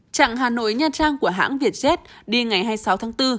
trạng hà nội nha trang của hãng vietjet đi ngày hai mươi sáu tháng bốn